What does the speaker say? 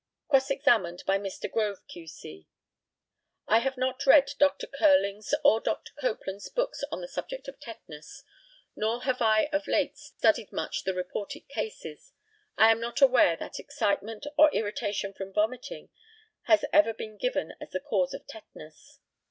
Cross examined by Mr. GROVE, Q.C.: I have not read Dr. Curling's or Dr. Copeland's books on the subject of tetanus; nor have I of late studied much the reported cases. I am not aware that excitement or irritation from vomiting has ever been given as the cause of tetanus.